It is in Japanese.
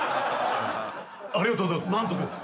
ありがとうございます。